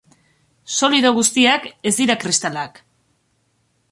Solido guztiak ez dira kristalak.